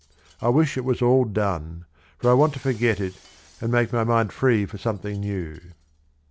I wish it was all done; for I want to forget it, and make my mind free for something new."